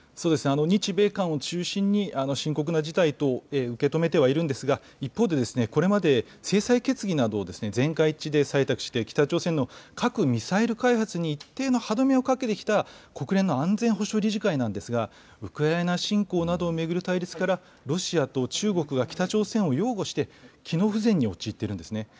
日米韓を中心に深刻な事態と受け止めてはいるんですが、一方で、これまで制裁決議などを全会一致で採択して、北朝鮮の核・ミサイル開発に一定の歯止めをかけてきた国連の安全保障理事会なんですが、ウクライナ侵攻などを巡る対立から、ロシアと中国が北朝鮮を擁護して、機能不全に陥っているんですね。